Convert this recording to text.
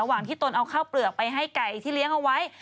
ที่ตนเอาข้าวเปลือกไปให้ไก่ที่เลี้ยงเอาไว้